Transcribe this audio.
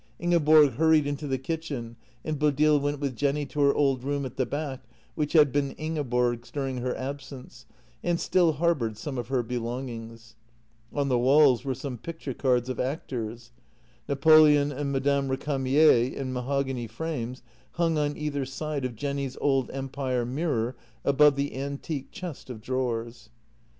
Ingeborg hurried into the kitchen, and Bodil went with Jenny to her old room at the back, which had been Ingeborg's during her absence, and still harboured some of her belongings. On the walls were some picture cards of actors; Napoleon and Madame Récamier in mahogany frames hung on either side of Jenny's old empire mirror above the antique chest of drawers.